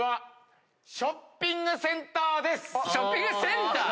ショッピングセンター⁉